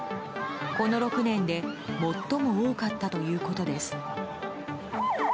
この６年で最も多かったということです。